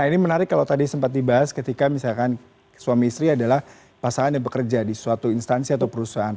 nah ini menarik kalau tadi sempat dibahas ketika misalkan suami istri adalah pasangan yang bekerja di suatu instansi atau perusahaan